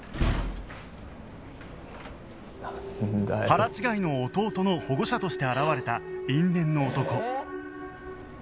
腹違いの弟の保護者として現れた因縁の男